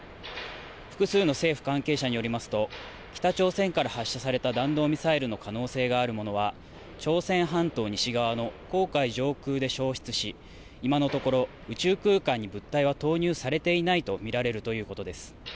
複数の政府関係者によりますと、北朝鮮から発射された弾道ミサイルの可能性のあるものは、朝鮮半島西側の黄海上空で消失し、今のところ宇宙空間に物体は投入されていないと見られるということです。